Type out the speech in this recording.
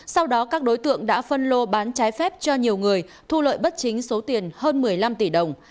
sau đó các đối tượng đã phân lô bán trái phép cho nhiều người thu lợi bất chính số tiền hơn một mươi năm tỷ đồng